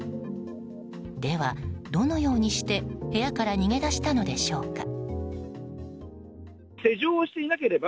ではどのようにして部屋から逃げ出したのでしょうか。